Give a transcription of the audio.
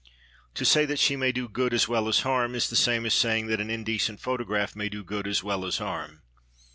To say that she may do good as well as harm is the same as saying that an indecent photograph may do good as well as harm.